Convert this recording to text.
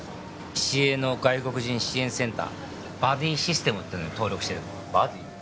市営の外国人支援センターバディシステムっていうのに登録してるバディ？